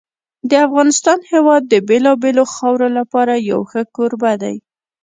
د افغانستان هېواد د بېلابېلو خاورو لپاره یو ښه کوربه دی.